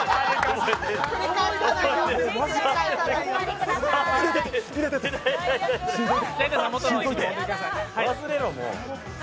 忘れろ、もう。